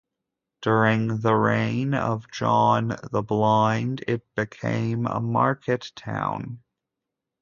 During the reign of John the Blind it became a market town.